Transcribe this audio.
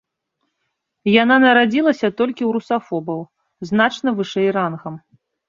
Яна нарадзілася толькі ў русафобаў, значна вышэй рангам.